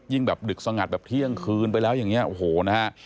แบบดึกสงัดแบบเที่ยงคืนไปแล้วอย่างนี้โอ้โหนะฮะ